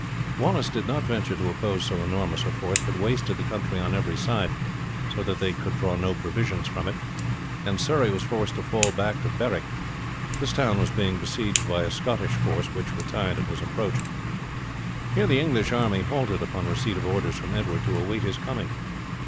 Wallace did not venture to oppose so enormous a force, but wasted the country on every side so that they could draw no provisions from it, and Surrey was forced to fall back to Berwick; this town was being besieged by a Scottish force, which retired at his approach. Here the English army halted upon receipt of orders from Edward to wait his coming.